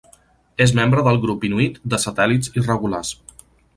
És membre del grup inuit de satèl·lits irregulars.